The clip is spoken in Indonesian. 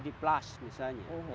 rrdd plus misalnya